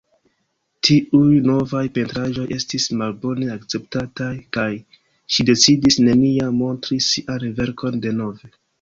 Tiuj novaj pentraĵoj estis malbone akceptataj, kaj ŝi decidis neniam montri sian verkon denove.